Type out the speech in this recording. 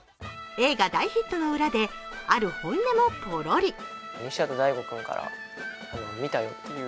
映画大ヒットの裏である本音もポロリ。